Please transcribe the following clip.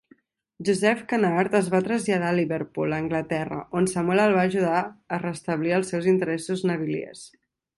Joseph Cunard es va traslladar a Liverpool, Anglaterra, on Samuel el va ajudar a restablir els seus interessos naviliers.